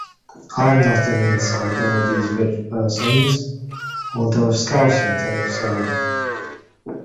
I'm not an "insider" of these rich persons, although Skousen thinks so.